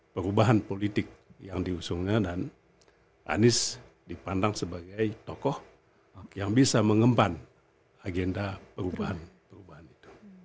perubahan politik yang diusungnya dan anies dipandang sebagai tokoh yang bisa mengemban agenda perubahan itu